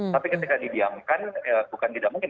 tapi ketika didiamkan bukan tidak mungkin